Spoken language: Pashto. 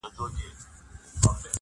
• دصدقېجاريېزوردیتردېحدهپورې,